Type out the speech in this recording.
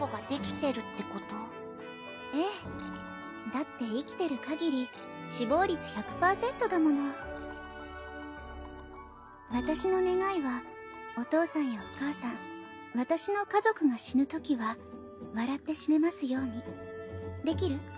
だって生きてるかぎり死亡率１００％だもの私の願いはお父さんやお母さん私の家族が死ぬときは笑って死ねますようにできる？